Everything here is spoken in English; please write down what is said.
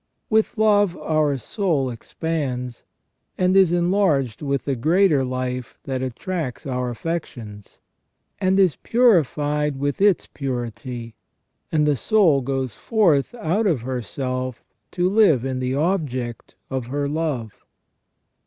With love our soul expands, and is enlarged with the greater life that attracts our affections, and is purified with its purity, and the soul goes forth out of herself to live in the object of her love.